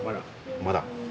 まだ。